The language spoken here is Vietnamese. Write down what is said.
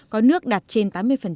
có nước đạt trên tám mươi